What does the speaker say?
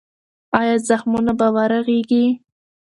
ایا زخمونه به ورغېږي؟